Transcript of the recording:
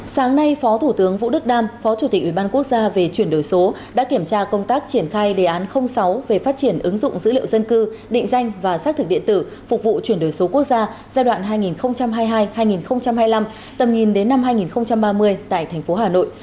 sáng nay phó thủ tướng vũ đức đam phó chủ tịch ủy ban quốc gia về chuyển đổi số đã kiểm tra công tác triển khai đề án sáu về phát triển ứng dụng dữ liệu dân cư định danh và xác thực điện tử phục vụ chuyển đổi số quốc gia giai đoạn hai nghìn hai mươi hai hai nghìn hai mươi năm tầm nhìn đến năm hai nghìn ba mươi tại thành phố hà nội